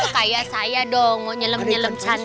kaya saya dong mau nyelem nyelem cantik